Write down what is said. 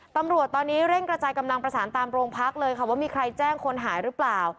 ตำรวจตอนนี้เร่งกระจายกำลังประสานตามโรงพักเลยค่ะว่ามีใครแจ้งคนหายหรือเปล่า